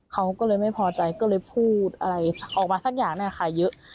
เขาก็เลยไม่พอใจก็เลยพูดอะไรออกมาสักอย่างเนี่ยค่ะเยอะ